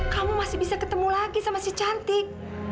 kamu masih bisa ketemu lagi sama si cantik